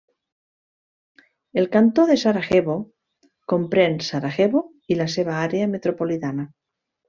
El Cantó de Sarajevo comprèn Sarajevo i la seva àrea metropolitana.